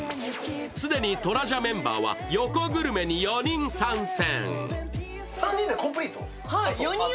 既にトラジャメンバーは横グルメに４人参戦。